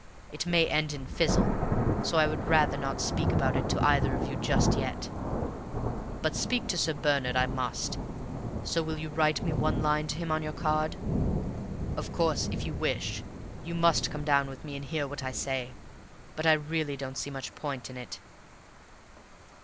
It may end in fizzle, so I would rather not speak about it to either of you just yet. But speak to Sir Bernard I must, so will you write me one line to him on your card? Of course, if you wish, you must come down with me and hear what I say; but I really don't see much point in it."